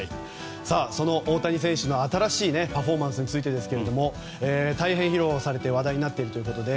その大谷選手の、新しいパフォーマンスについてですが披露されて話題になっているということで